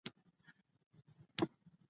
هغوی هم کونډې وې او په خپلو کورونو ناستې وې.